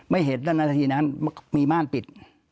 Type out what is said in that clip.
ไม่เห็นนั่นนาทีนั้นมีม่านปิด